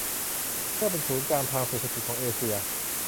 เพื่อเป็นศูนย์กลางทางเศรษฐกิจของเอเชีย